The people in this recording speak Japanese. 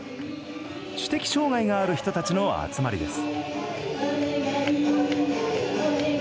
知的障害がある人たちの集まりです